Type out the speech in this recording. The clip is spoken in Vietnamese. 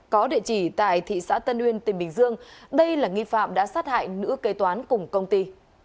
có địa chỉ tại thị xã tân uyên tỉnh bình dương đây là nghi phạm đã sát hại nữ kế toán cùng công ty